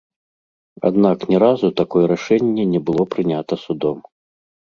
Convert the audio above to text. Аднак ні разу такое рашэнне не было прынята судом.